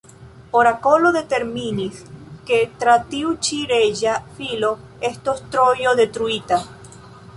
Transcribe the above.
Orakolo determinis, ke tra tiu ĉi reĝa filo estos Trojo detruita.